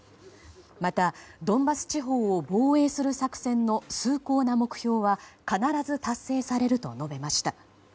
また、ドンバス地方を防衛する作戦の崇高な目標は必ず達成されると述べました。